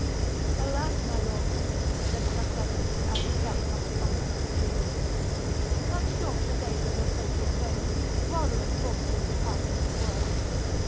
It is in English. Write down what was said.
"Alas! my lord," said Fakreddin, as he plucked off the honours of his beard, "cut short the days of your faithful servant, rather than force him to depart from his word.